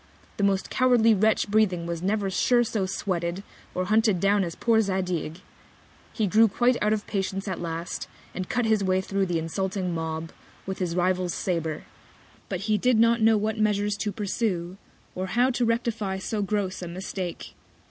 The most cowardly Wretch breathing was never sure so sweated, or hunted down as poor Zadig! He grew quite out of Patience at last, and cut his Way thro' the insulting Mob, with his Rival's Sabre; but he did not know what Measures to pursue, or how to rectify so gross a Mistake.